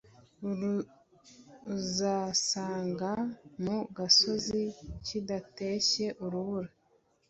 ruzasanga mu gasozi kidatashye urubura